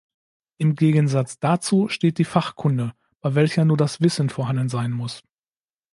Im Gegensatz dazu steht die "Fachkunde", bei welcher nur das Wissen vorhanden sein muss.